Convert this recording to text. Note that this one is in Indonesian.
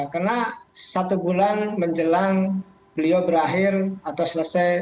karena satu bulan menjelang beliau berakhir atau selesai penjabat sepeda